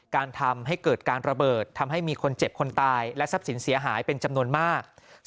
การทำให้เกิดการระเบิดทำให้มีคนเจ็บคนตายและทรัพย์สินเสียหายเป็นจำนวนมาก